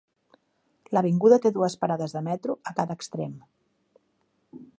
L'avinguda té dues parades de metro a cada extrem: